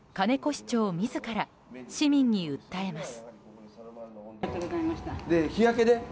市長自ら市民に訴えます。